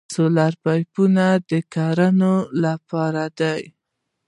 سولر پمپونه د کرنې لپاره دي.